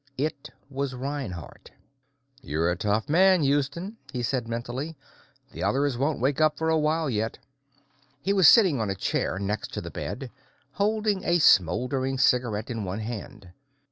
It was Reinhardt. "You're a tough man, Houston," he said mentally. "The others won't wake up for a while yet." He was sitting on a chair next to the bed, holding a smouldering cigarette in one hand.